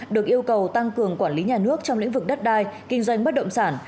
được yêu cầu tăng cường quản lý nhà nước trong lĩnh vực đất đai kinh doanh bất động sản